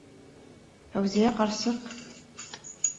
Фәүзиә ҡарсыҡ...